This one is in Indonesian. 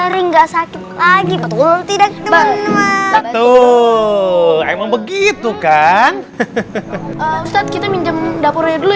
hari enggak sakit lagi betul tidak betul emang begitu kan ustadz kita minjem dapurnya dulu